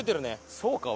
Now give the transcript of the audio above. そうか俺。